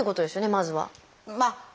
まずは。